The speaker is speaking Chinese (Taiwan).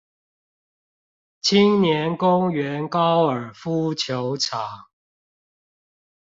青年公園高爾夫球場